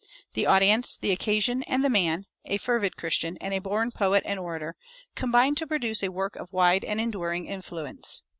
The audience, the occasion, and the man a fervid Christian, and a born poet and orator combined to produce a work of wide and enduring influence.